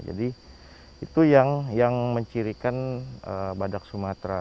jadi itu yang mencirikan badak sumatera